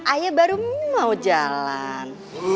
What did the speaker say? ayah baru mau jalan